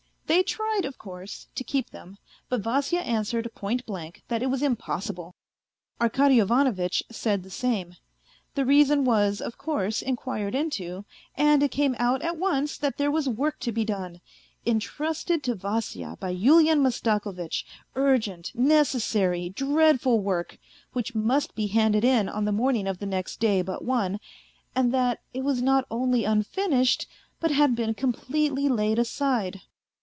They tried, of course, to keep them, but Vasya answered point blank that it was impossible. Arkady Ivanovitch said the same The reason was, of course, inquired into, and it came out at once that there was work to be done entrusted to Vasya by Yulian Mastakovitch, urgent, necessary, dreadful work, which must be handed in on the morning of the next day but one, and that it was not only unfinished, but had been com pletely laid aside.